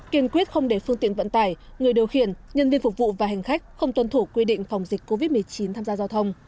kiên quyết không để phương tiện vận tải người điều khiển nhân viên phục vụ và hành khách không tuân thủ quy định phòng dịch covid một mươi chín tham gia giao thông